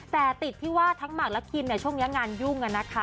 แต่ติดที่ว่าทั้งหมากและคิมช่วงนี้งานยุ่งนะคะ